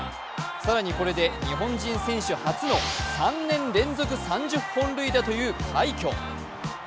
更にこれで日本人選手初の３年連続３０本塁打という快挙。